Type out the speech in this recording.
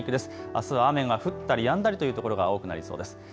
あす雨が降ったりやんだりという所が多くなりそうです。